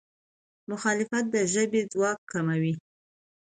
مخالفت د ژبې ځواک کموي.